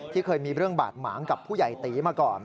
เคยมีเรื่องบาดหมางกับผู้ใหญ่ตีมาก่อน